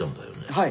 はい。